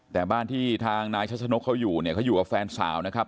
แต่บ้านที่ทางนายชัชนกเขาอยู่เนี่ยเขาอยู่กับแฟนสาวนะครับ